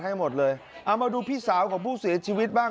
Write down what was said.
ให้หมดเลยเอามาดูพี่สาวของผู้เสียชีวิตบ้าง